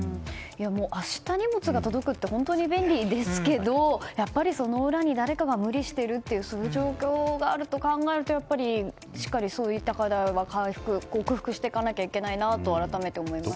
明日荷物が届くって本当に便利ですけどやっぱり、その裏で誰かが無理しているというそういう状況があると考えるとしっかり、そういった課題は克服していかなければと改めて思いましたね。